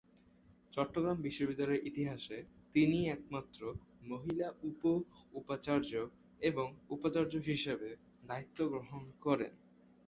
চট্টগ্রাম বিশ্ববিদ্যালয়ের ইতিহাসে তিনিই একমাত্র মহিলা উপ-উপাচার্য এবং উপাচার্য হিসেবে দায়িত্ব গ্রহণ করেন।